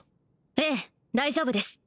ええ大丈夫です